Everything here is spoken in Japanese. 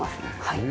はい。